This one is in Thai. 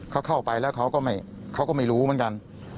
เขาเข้าไปแล้วเขาก็ไม่รู้เหมือนกัน